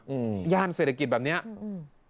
อืมย่านเศรษฐกิจแบบเนี้ยอืม